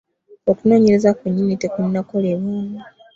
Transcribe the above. Okunoonyereza kwennyini tekunnakolebwa.